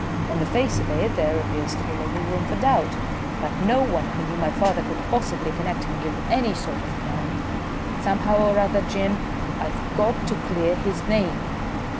"On the face of it there appears to be little room for doubt, but no one who knew my father could possibly connect him with any sort of crime. Somehow or other, Jim, I've got to clear his name."